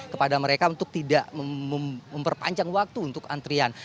kepada mereka untuk tidak memperpanjang waktu untuk antrian